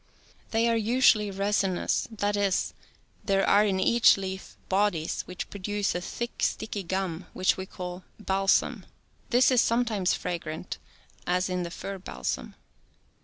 They are usually resinous, that is. there are in each leaf bodies which produce a thick, sticky gum, which we call balsam. This is sometimes fragrant, as in the fir balsam.